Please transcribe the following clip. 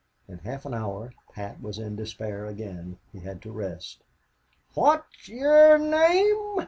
In half an hour Pat was in despair again. He had to rest. "Phwat's ye're name?"